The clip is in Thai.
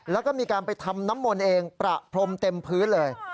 แล้วก็มีการไปทำน้ำมนต์เองประพรมเต็มพื้นเลย